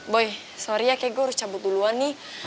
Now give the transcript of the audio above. boy sorry ya kayak gue harus cabut duluan nih